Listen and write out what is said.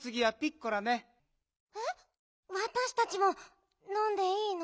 わたしたちものんでいいの？